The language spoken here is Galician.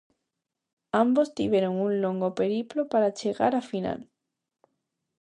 Ambos tiveron un longo periplo para chegar á final.